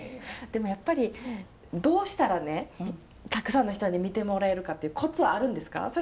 でもやっぱりどうしたらねたくさんの人に見てもらえるかっていうコツあるんですか？